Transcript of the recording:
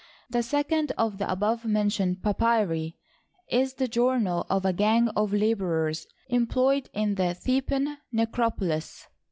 The second of the above mentioned papyri is the jour nal of a gang of laborers employed in the Theban ne cropolis.